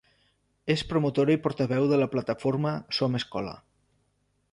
És promotora i portaveu de la plataforma Som Escola.